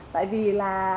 tại vì là